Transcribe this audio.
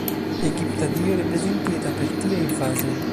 Egipta dio reprezentita per tiaj vazoj.